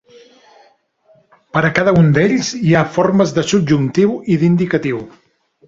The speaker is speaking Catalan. Per a cada un d'ells hi ha formes de subjuntiu i d'indicatiu.